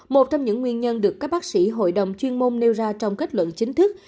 một trong những nguyên nhân được các bác sĩ hội đồng chuyên môn nêu ra trong kết luận chính thức